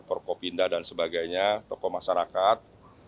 korkopinda dan sebagainya tokoh masyarakat